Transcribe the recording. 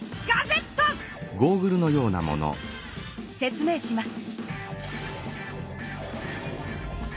説明します。